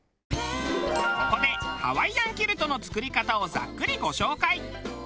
ここでハワイアンキルトの作り方をざっくりご紹介。